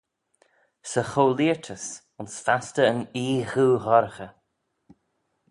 Sy cho-leayrtys, ayns fastyr yn oie ghoo ghorraghey.